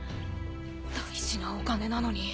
大事なお金なのに。